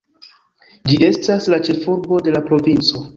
Ĝi estas la ĉefurbo de la provinco.